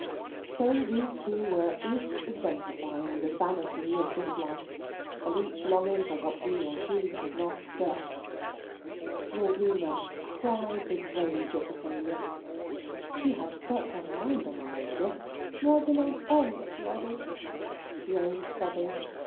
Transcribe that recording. So these two were each exemplifying the Vanity of this life, and each longing for what he or she could not get. Glorvina cried with rage at the failure. She had set her mind on the Major "more than on any of the others," she owned, sobbing.